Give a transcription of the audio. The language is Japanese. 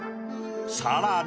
さらに。